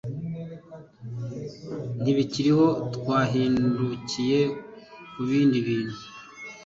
Ntibikiriho Twahindukiye ku bindi bintu